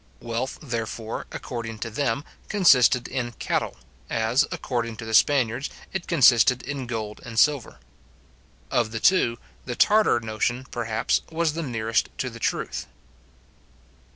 Wealth, therefore, according to them, consisted in cattle, as, according to the Spaniards, it consisted in gold and silver. Of the two, the Tartar notion, perhaps, was the nearest to the truth.